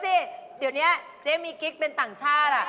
สิเดี๋ยวนี้เจ๊มีกิ๊กเป็นต่างชาติ